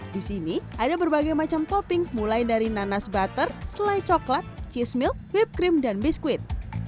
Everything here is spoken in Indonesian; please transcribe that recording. di sini ada berbagai macam topping mulai dari nanas butter selai coklat cheese milk whippe cream dan biskuit